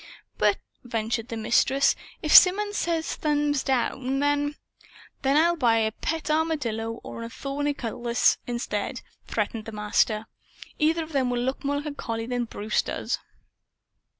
"But," ventured the Mistress, "if Symonds says 'Thumbs down,' then " "Then I'll buy a pet armadillo or an ornithorhynchus instead," threatened the Master. "Either of them will look more like a collie than Bruce does."